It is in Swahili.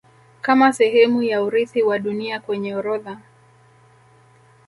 Kama sehemu ya urithi wa Dunia kwenye orodha